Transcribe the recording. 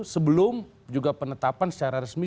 sebelum juga penetapan secara resmi